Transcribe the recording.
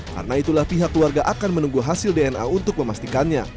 karena itulah pihak keluarga akan menunggu hasil dna untuk memastikannya